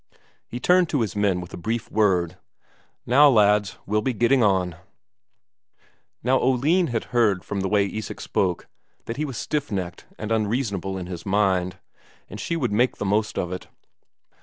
He turned to his men with a brief word: "Now, lads, we'll be getting on," Now Oline had heard from the way Isak spoke that he was stiff necked and unreasonable in his mind, and she would make the most of it.